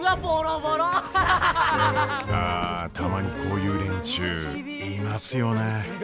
あたまにこういう連中いますよね。